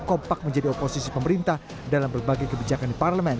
kompak menjadi oposisi pemerintah dalam berbagai kebijakan di parlemen